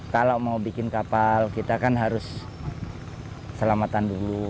kalau mau bikin kapal kita kan harus selamatan dulu